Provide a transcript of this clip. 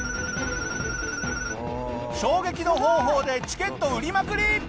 衝撃の方法でチケット売りまくり！